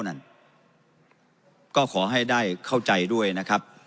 ที่นี่ฉัยแล้วน่ะก็ขอให้ได้เข้าใจด้วยนะครับ